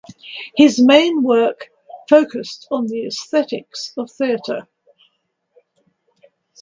His main work focused on the aesthetics of theatre.